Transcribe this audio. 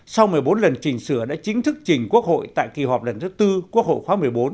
sau một mươi bốn lần trình sửa đã chính thức trình quốc hội tại kỳ họp lần thứ tư quốc hội khóa một mươi bốn